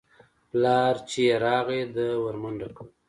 پلار چې يې راغى ده ورمنډه کړه.